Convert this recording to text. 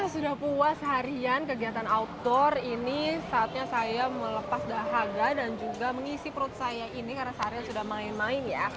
sudah puas harian kegiatan outdoor ini saatnya saya melepas dahaga dan juga mengisi perut saya ini karena seharian sudah main main ya